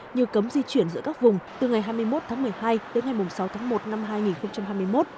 như cấm di chuyển giữa các vùng từ ngày hai mươi một tháng một mươi hai tới ngày sáu tháng một năm hai nghìn hai mươi một